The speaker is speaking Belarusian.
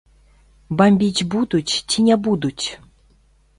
Бамбіць будуць ці не будуць?